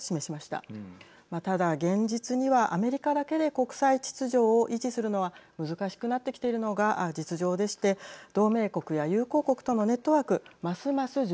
ただ、現実にはアメリカだけで国際秩序を維持するのは難しくなってきているのが実情でして同盟国や友好国とのネットワーク